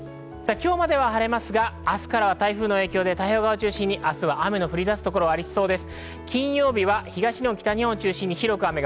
今日までは晴れますが、明日からは台風の影響で太平洋側を中心に雨の降り出す所がありそうです。